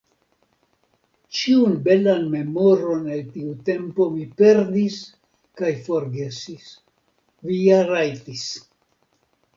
Ĉiun belan memoron el tiu tempo mi perdis kaj forgesis vi ja rajtis.